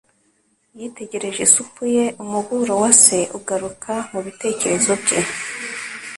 Yitegereje isupu ye, umuburo wa se ugaruka mubitekerezo bye.